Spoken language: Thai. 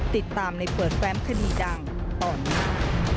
ติดตามในเปิดแป๊มคณีย์ดังตอนนี้